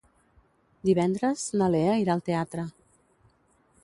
Divendres na Lea irà al teatre.